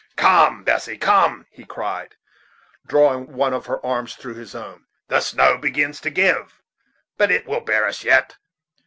"Come, Bessy, come," he cried, drawing one of her arms through his own; "the snow begins to give, but it will bear us yet.